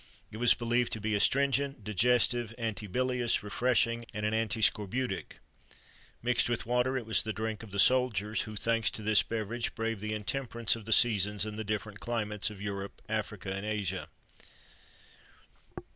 It was believed to be astringent, digestive, antibilious, refreshing, and an antiscorbutic.[XXIII 89] Mixed with water, it was the drink of the soldiers,[XXIII 90] who, thanks to this beverage, braved the intemperance of the seasons and the different climates of Europe, Africa, and Asia.